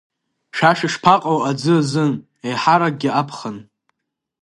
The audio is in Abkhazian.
Шәа шәышԥаҟоу аӡы азын, еиҳаракгьы аԥхын?